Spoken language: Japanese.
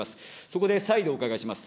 そこで再度お伺いします。